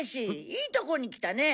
いいとこに来たね。